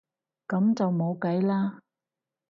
噉就冇計啦